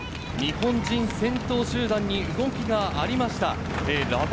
日本人先頭集団に動きがありました。